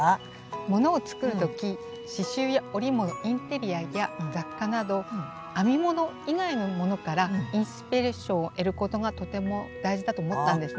ものを作るとき刺しゅうや織物インテリアや雑貨など編み物以外のものからインスピレーションを得ることがとても大事だと思ったんですね。